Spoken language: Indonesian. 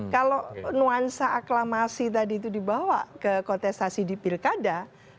kalau nuansa aklamasi tadi itu dibawa ke kontestasi di pilkada